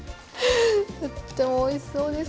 とってもおいしそうです。